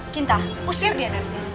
kinta pustir dia dari sini